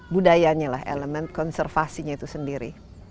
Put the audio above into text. budayanya lah elemen konservasinya itu sendiri